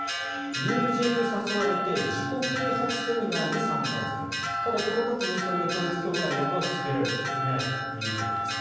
友人に誘われて自己啓発セミナーに参加をされたただ、この時にそれが統一教会だとは告げられていないということです。